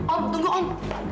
om tunggu om